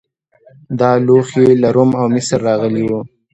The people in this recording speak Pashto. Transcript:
دا لوښي له روم او مصر راغلي وو